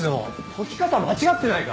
解き方間違ってないか？